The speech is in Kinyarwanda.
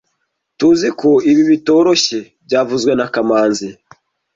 Tuziko ibi bitoroshye byavuzwe na kamanzi